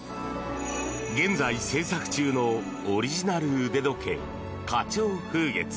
現在製作中のオリジナル腕時計花鳥風月。